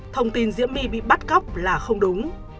thông tin diễm my bị bắt cóc là không đúng